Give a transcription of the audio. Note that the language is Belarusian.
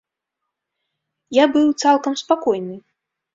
Я быў цалкам спакойны.